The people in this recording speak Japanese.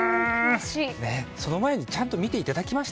その前にちゃんと見ていただきました？